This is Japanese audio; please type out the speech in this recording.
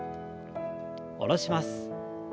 下ろします。